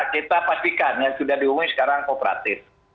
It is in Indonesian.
kita pastikan yang sudah diumumkan sekarang kooperatif